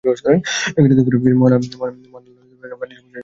মহান আল্লাহ্-তা‘আলার বাণীসমূহ এতে সংকলিত হয়েছে।